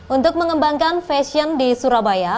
untuk mengembangkan fashion di surabaya